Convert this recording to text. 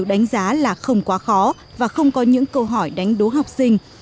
đánh giá là không quá khó và không có những câu hỏi đánh đố học sinh